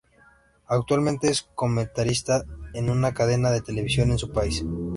Actualmente es comentarista en una cadena de televisión en su país.